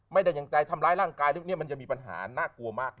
ไม่ใดทำร้ายร่างกายมันจะมีปัญหาน่ากลัวมาก